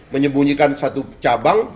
menyembunyikan satu cabang